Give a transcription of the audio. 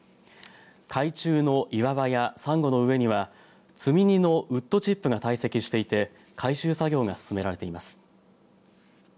海中の岩場や、さんごの上には積み荷のウッドチップが堆積していて回収作業が進められています。